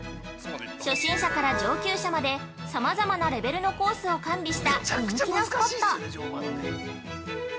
初心者から上級者までさまざまなレベルのコースを完備した人気のスポット。